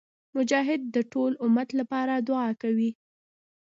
مجاهد د ټول امت لپاره دعا کوي.